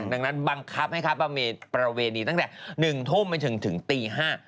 ดังนั้นบังคับให้ครับว่ามีประเวณนี้ตั้งแต่๑ทุ่มถึงตี๕